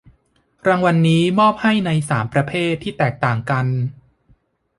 รางวัลนี้มอบให้ในสามประเภทที่แตกต่างกัน